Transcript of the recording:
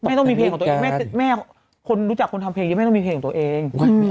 ต้องมีเพลงของตัวเองแม่คนรู้จักคนทำเพลงนี้แม่ต้องมีเพลงของตัวเอง